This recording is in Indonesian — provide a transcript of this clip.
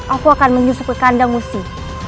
aku akan menyusuk ke kandang musim